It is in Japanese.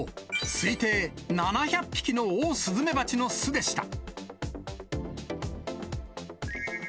推定７００匹のオオスズメバチの巣でした。